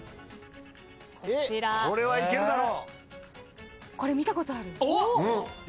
これはいけるだろ。